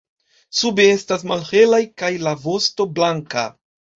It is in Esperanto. Sube estas malhelaj kaj la vosto blanka.